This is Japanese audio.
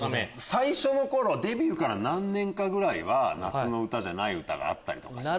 最初の頃デビューから何年かぐらいは夏の歌じゃない歌があったりして。